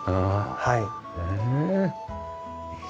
はい。